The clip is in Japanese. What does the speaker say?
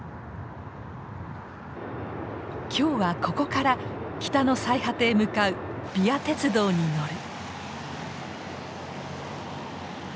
今日はここから北の最果てへ向かうＶＩＡ鉄道に乗る。